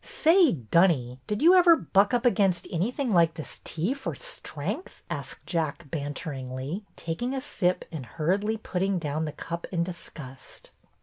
'• Say, Dunny, did you ever buck up against anything like this tea for strength? " asked Jack, banteringly, taking a sip and hurriedly putting down the cup in disgust.